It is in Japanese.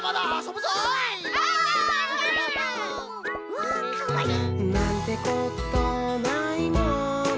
わあかわいい。